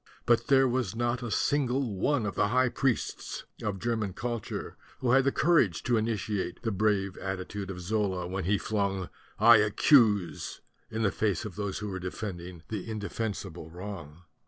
But there was not a single one of the high priests of German cul ture who had the courage to initiate the brave attitude of Zola when he flung "I accuse" in the face of those who were defending an inde fensible wrong.